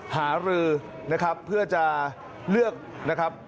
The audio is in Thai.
หารือนะครับเพื่อจะเลือกนะครับ